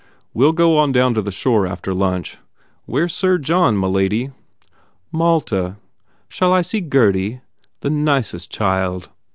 We ll go on down to the shore after lunch. Where s Sir John, m lady?" "Malta. Shall I see Gurdy? The nicest child!"